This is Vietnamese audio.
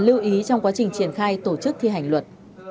chương trình triển khai tổ chức thi hành luật